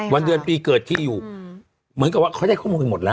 วันเดือนปีเกิดที่อยู่เหมือนกับว่าเขาได้ข้อมูลกันหมดแล้ว